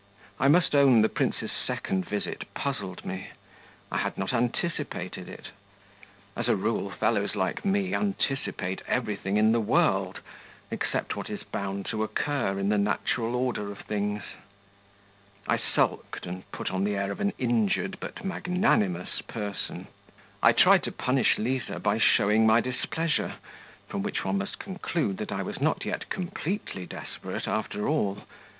I must own the prince's second visit puzzled me. I had not anticipated it. As a rule fellows like me anticipate everything in the world, except what is bound to occur in the natural order of things; I sulked and put on the air of an injured but magnanimous person; I tried to punish Liza by showing my displeasure, from which one must conclude I was not yet completely desperate after all.